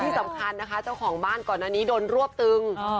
ที่สำคัญนะคะเจ้าของบ้านก่อนอันนี้โดนรวบตึง